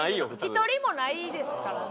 １人もないですからね。